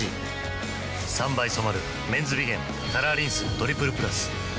３倍染まる「メンズビゲンカラーリンストリプルプラス」